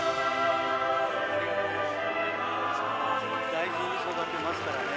大事に育てますからね。